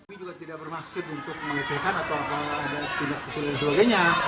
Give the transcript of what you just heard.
ini juga tidak bermaksud untuk mengecehkan atau tidak sesuai dan sebagainya